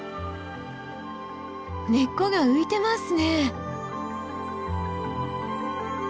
根っこが浮いてますね。